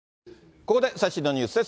ここで最新のニュースです。